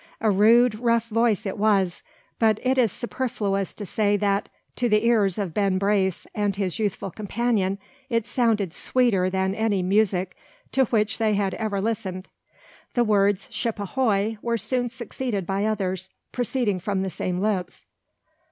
A rude, rough voice it was; but it is superfluous to say that, to the ears of Ben Brace and his youthful companion, it sounded sweeter than any music to which they had ever listened. The words "Ship ahoy!" were soon succeeded by others, proceeding from the same lips.